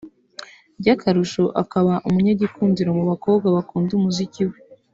by’akarusho akaba umunyagikundiro mu bakobwa bakunda umuziki we